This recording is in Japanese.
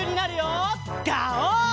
ガオー！